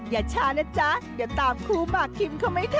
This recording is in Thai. อย่าช้านะจ๊ะอย่าตามครูมากคิมเขาไม่ทัน